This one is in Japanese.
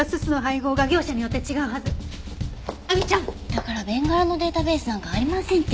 だからベンガラのデータベースなんかありませんって。